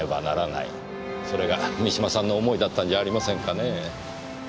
それが三島さんの思いだったんじゃありませんかね。